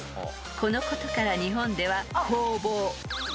［このことから日本では］